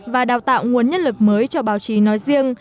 và đào tạo nguồn nhân lực mới cho báo chí nói riêng